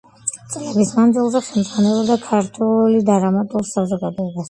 წლების მანძილზე ხელმძღვანელობდა ქართული დრამატულ საზოგადოებას.